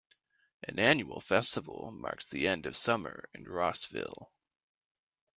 An annual festival marks the end of summer in Rossville.